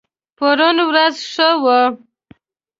پرون ورځ ښه وه